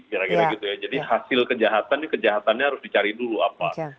kira kira gitu ya jadi hasil kejahatan ini kejahatannya harus dicari dulu apa